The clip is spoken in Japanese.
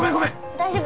大丈夫？